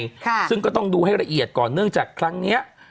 ค่ะซึ่งก็ต้องดูให้ละเอียดก่อนเนื่องจากครั้งเนี้ย